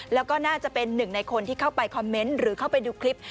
แล้วก็น่าจะเป็นหนึ่งในคนที่เข้าไปคอมเมนต์หรือเข้าไปดูคลิป